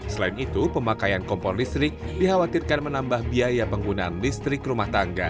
selain itu pemakaian kompor listrik dikhawatirkan menambah biaya penggunaan listrik rumah tangga